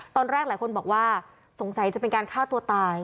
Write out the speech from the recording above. ตอนแรกหลายคนบอกว่าสงสัยจะเป็นการฆ่าตัวตาย